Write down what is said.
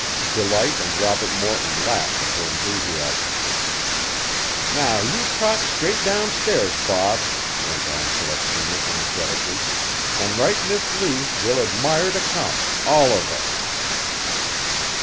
Delight and Robert Morton laughed at her enthusiasm. "Now you trot straight down stairs, Bob," went on Celestina energetically, "an' write Mis' Lee we'll admire to come, all of us."